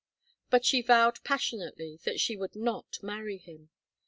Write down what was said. But she vowed passionately that she would not marry him.